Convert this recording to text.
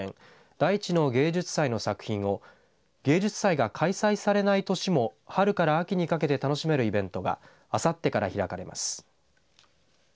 大地の芸術祭の作品を芸術祭が開催されない年も春から秋にかけて楽しめるイベントがあさってから開かれます。